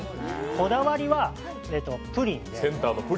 こだわりはプリンです。